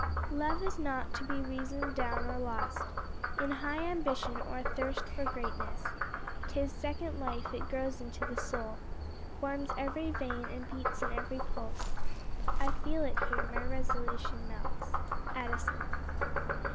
"Love is not to be reasoned down or lost, In high ambition, or a thirst for greatness; 'Tis second life, it grows into the soul, Warms ev'ry vein, and beats in ev'ry pulse; I feel it here; my resolution melts." ADDISON.